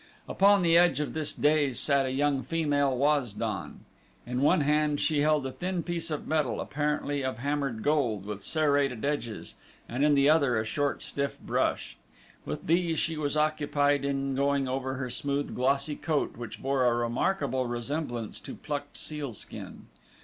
Upon the edge of this dais sat a young female Waz don. In one hand she held a thin piece of metal, apparently of hammered gold, with serrated edges, and in the other a short, stiff brush. With these she was occupied in going over her smooth, glossy coat which bore a remarkable resemblance to plucked sealskin.